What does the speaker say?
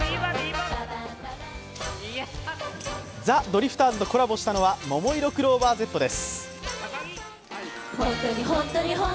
ザ・ドリフターズとコラボしたのはももいろクローバーＺです。